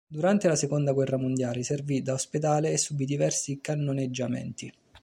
Durante la Seconda guerra mondiale servì da ospedale e subì diversi cannoneggiamenti.